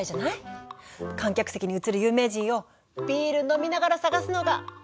観客席に映る有名人をビール飲みながら探すのが好きなんだよねぇ！